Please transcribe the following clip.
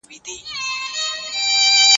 کوم علم د تېرو انسانانو کلتور څېړي؟